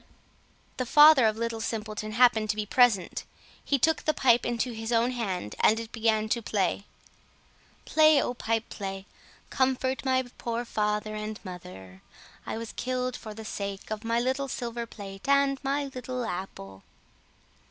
The father of Little Simpleton happened to be present. He took the pipe into his own hand, and it began to play: "Play, oh pipe, play! Comfort my poor father and mother. I was killed for the sake of my little silver plate and my little apple."